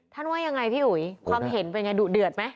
ว่ายังไงพี่อุ๋ยความเห็นเป็นไงดุเดือดไหม